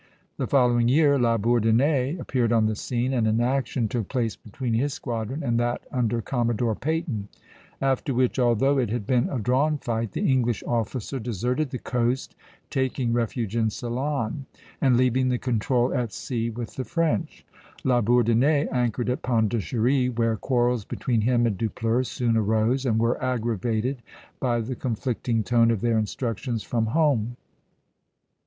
The following year La Bourdonnais appeared on the scene, and an action took place between his squadron and that under Commodore Peyton; after which, although it had been a drawn fight, the English officer deserted the coast, taking refuge in Ceylon, and leaving the control at sea with the French. La Bourdonnais anchored at Pondicherry, where quarrels between him and Dupleix soon arose, and were aggravated by the conflicting tone of their instructions from home.